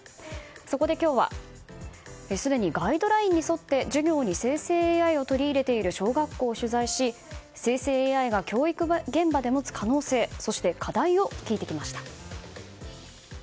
そこで今日はすでにガイドラインに沿って授業に生成ＡＩを取り入れている小学校を取材し生成ＡＩが教育現場で持つ可能性そして課題を聞いてきました。